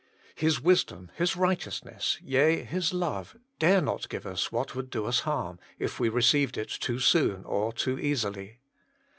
His wisdom, His right eousness, yea His love, dare not give us what would do us harm, if we received it too soon or too easily.